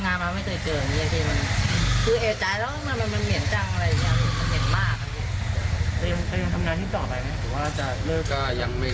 ก็ยังไม่รู้เลยว่าเหลือรอทางหัวไทย